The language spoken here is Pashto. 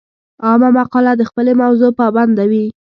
عامه مقاله د خپلې موضوع پابنده وي.